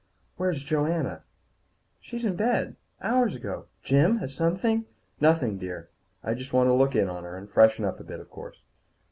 "Where's Joanna?" "She's in bed. Hours ago. Jim, has something ?" "Nothing, dear. I just want to look in on her. And freshen up a bit, of course."